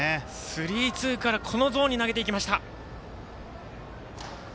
スリーツーからこのゾーンに投げていきました。